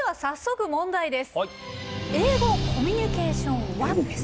「英語コミュニケーションⅠ」です。